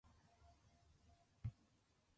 はい、うざいですね